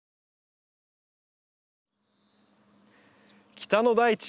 北の大地